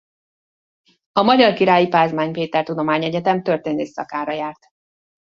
A Magyar Királyi Pázmány Péter Tudományegyetem történész szakára járt.